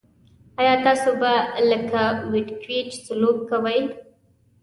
آیا تاسو به لکه ویتکیویچ سلوک کوئ.